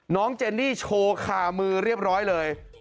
เจนนี่โชว์คามือเรียบร้อยเลย